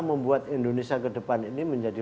membuat indonesia kedepan ini menjadi